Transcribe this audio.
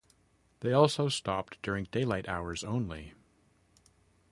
They also stopped during daylight hours only.